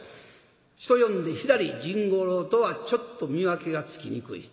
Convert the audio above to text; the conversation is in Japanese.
人呼んで左甚五郎とはちょっと見分けがつきにくい。